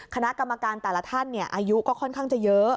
คณะกรรมการแต่ละท่านอายุก็ค่อนข้างจะเยอะ